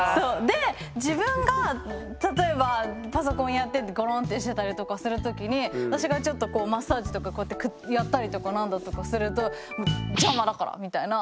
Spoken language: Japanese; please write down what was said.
で自分が例えばパソコンやっててごろんってしてたりとかする時に私がちょっとマッサージとかこうやってやったりとか何だとかすると邪魔だからみたいな。